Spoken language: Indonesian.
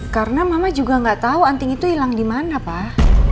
karena mama juga gak tau anting itu hilang dimana pak